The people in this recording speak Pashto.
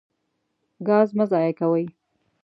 ګاز مه ضایع کوئ.